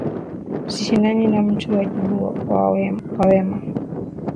Usishindane na mtu, wajibu kwa wema.